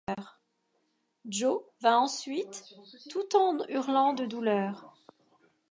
Joe vint ensuite, tout en hurlant de douleur.